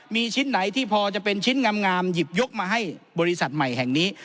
มีชิ้นไหนที่พอจะเป็นชิ้นงามหยิบยกมาให้บริษัทใหม่แห่งนี้